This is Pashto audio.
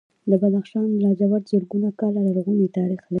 د بدخشان لاجورد زرګونه کاله لرغونی تاریخ لري.